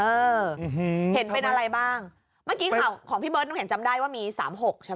เออเห็นเป็นอะไรบ้างเมื่อกี้ข่าวของพี่เบิร์ดน้ำแข็งจำได้ว่ามีสามหกใช่ไหม